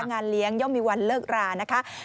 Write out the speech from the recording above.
งานเลี้ยงย่อมมีวันเลิกรานะคะ